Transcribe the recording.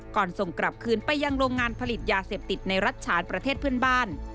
ก่อนส่งกลับคืนไปยังโรงงานผลิตยาเสพติดในรัฐฉานประเทศเพื่อนบ้าน